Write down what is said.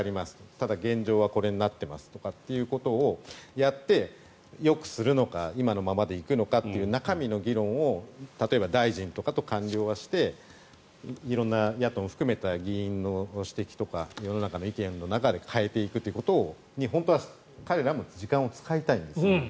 ただ、現状はこれになってますということをやってよくするのか今のままで行くのかっていう中身の議論を例えば、大臣とかと官僚がして色んな野党も含めた議員の指摘とか世の中の意見の中で変えていくということに本当は彼らの時間を使いたいんです。